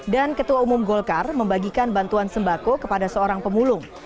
dan ketua umum golkar membagikan bantuan sembako kepada seorang pemulung